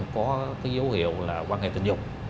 có cái dấu hiệu là quan hệ tình dục